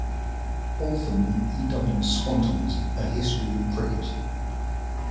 Altham and E. W. Swanton's "A History of Cricket".